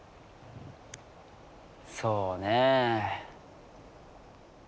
そうねえ。